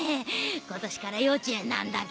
今年から幼稚園なんだけど。